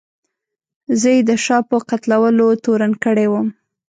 زه یې د شاه په قتلولو تورن کړی وم.